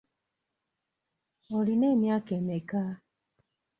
Olina emyaka emmeka?